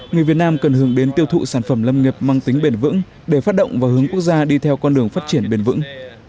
người việt nam cần hướng đến tiêu thụ sản phẩm lâm nghiệp mang tính bền vững để phát động và hướng quốc gia đi theo con đường phát triển bền vững